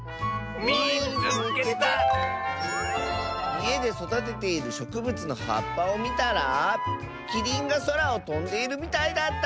「いえでそだてているしょくぶつのはっぱをみたらキリンがそらをとんでいるみたいだった！」。